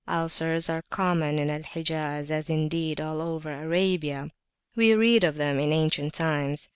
Ulcers are common in Al Hijaz, as indeed all over Arabia. We read of them in ancient times.